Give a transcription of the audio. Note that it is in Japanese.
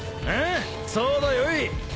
ああそうだよい。